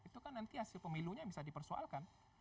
itu kan nanti hasil pemilunya bisa dipersoalkan